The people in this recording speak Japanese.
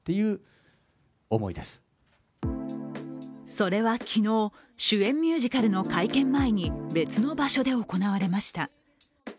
それは昨日、主演ミュージカルの会見前に別の場所で行われました。